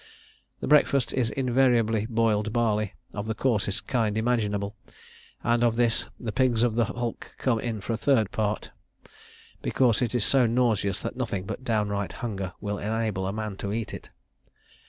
The breakfast is invariably boiled barley, of the coarsest kind imaginable; and of this the pigs of the hulk come in for a third part, because it is so nauseous that nothing but downright hunger will enable a man to eat it.